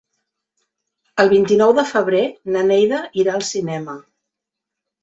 El vint-i-nou de febrer na Neida irà al cinema.